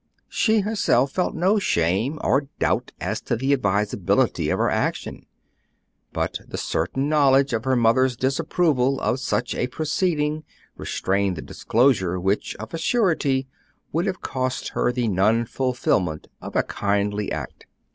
She herself felt no shame or doubt as to the advisability of her action; but the certain knowledge of her mother's disapproval of such a proceeding restrained the disclosure which, of a surety, would have cost her the non fulfilment of a kindly act.